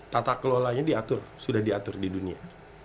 tata kelolanya diatur sudah diatur di dunia